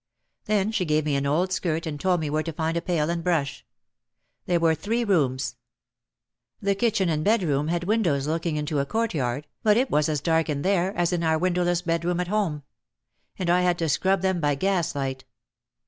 Then she gave me an old skirt and told me where to find a pail and brush. There were three rooms. The kitchen and bedroom had windows looking into a courtyard but it was as dark in there as in our window less bedroom at home. And I had to scrub them by gas light.